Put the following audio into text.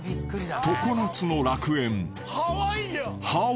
常夏の楽園］